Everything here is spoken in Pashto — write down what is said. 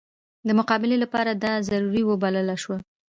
د مقابلې لپاره دا ضروري وبلله شوه.